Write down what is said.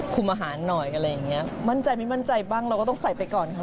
อาหารหน่อยอะไรอย่างเงี้ยมั่นใจไม่มั่นใจบ้างเราก็ต้องใส่ไปก่อนค่ะ